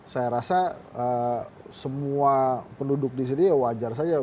saya rasa semua penduduk di sini ya wajar saja